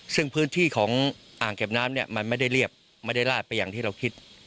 ซึ่งพื้นที่ของอ่างเก็บน้ำเนี่ยมันไม่ได้เรียบไม่ได้ลาดไปอย่างที่เราคิด